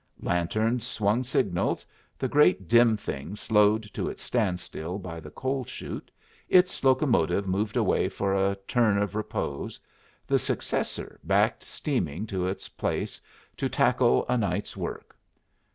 Lanterns swung signals, the great dim thing slowed to its standstill by the coal chute, its locomotive moved away for a turn of repose, the successor backed steaming to its place to tackle a night's work.